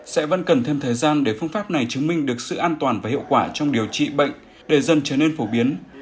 sẽ vẫn cần thêm thời gian để phương pháp này chứng minh được sự an toàn và hiệu quả trong điều trị bệnh để dần trở nên phổ biến